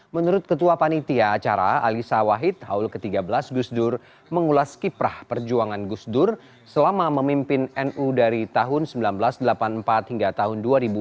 menurut ketua panitia acara alisa wahid haul ke tiga belas gusdur mengulas kiprah perjuangan gusdur selama memimpin nu dari tahun seribu sembilan ratus delapan puluh empat hingga tahun dua ribu empat